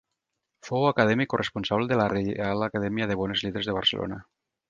Fou acadèmic corresponsal de la Reial Acadèmia de Bones Lletres de Barcelona.